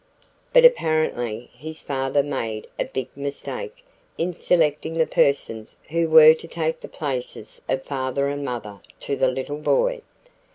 "But apparently his father made a big mistake in selecting the persons who were to take the places of father and mother to the little boy.